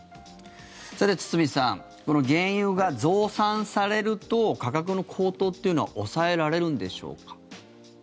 堤さん原油が増産されると価格の高騰というのは抑えられるんでしょうか？